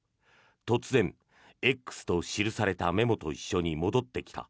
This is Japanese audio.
突然、「Ｘ」と記されたメモと一緒に戻ってきた。